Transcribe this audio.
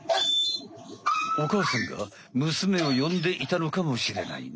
おかあさんがむすめをよんでいたのかもしれないね。